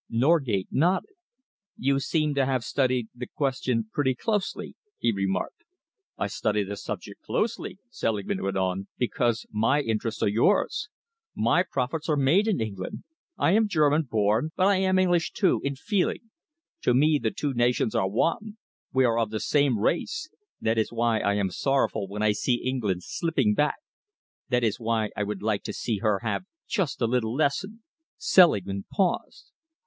Norgate nodded. "You seem to have studied the question pretty closely," he remarked. "I study the subject closely," Selingman went on, "because my interests are yours. My profits are made in England. I am German born, but I am English, too, in feeling. To me the two nations are one. We are of the same race. That is why I am sorrowful when I see England slipping back. That is why I would like to see her have just a little lesson." Selingman paused.